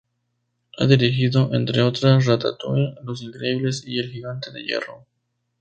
Ha dirigido, entre otras, "Ratatouille", "Los Increíbles" y "El gigante de hierro".